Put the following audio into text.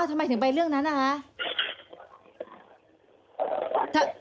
ทำไมถึงไปเรื่องนั้นนะคะ